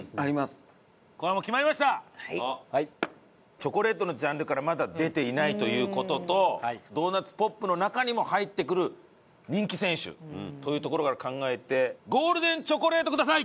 チョコレートのジャンルからまだ出ていないという事とドーナツポップの中にも入ってくる人気選手というところから考えてゴールデンチョコレートください！